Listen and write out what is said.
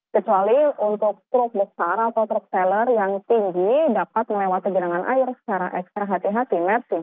kecuali untuk truk besar atau truk seller yang tinggi dapat melewati genangan air secara ekstra hati hati